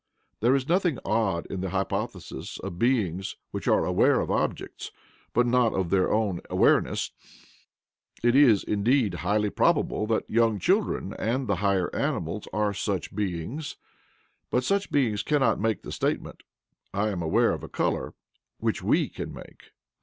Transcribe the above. There is nothing odd in the hypothesis of beings which are aware of objects, but not of their own awareness; it is, indeed, highly probable that young children and the higher animals are such beings. But such beings cannot make the statement "I am aware of a colour," which WE can make.